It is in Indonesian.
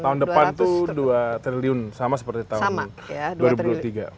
tahun depan itu dua triliun sama seperti tahun dua ribu dua puluh tiga